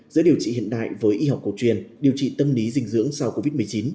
giữa điều trị hiện đại với y học cổ truyền điều trị tâm lý dinh dưỡng sau covid một mươi chín